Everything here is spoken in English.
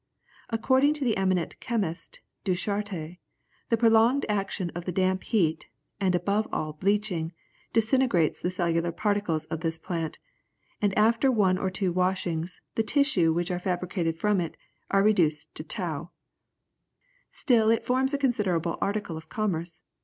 According to the eminent chemist Ducharte, the prolonged action of the damp heat, and above all bleaching, disintegrates the cellular particles of this plant, and after one or two washings, the tissues which are fabricated from it, are reduced to tow. Still it forms a considerable article of commerce.